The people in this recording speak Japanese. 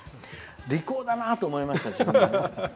利口だなと思いました。